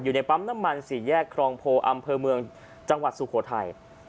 อยู่ในปั๊มน้ำมันสี่แยกครองโพอำเภอเมืองจังหวัดสุโขทัย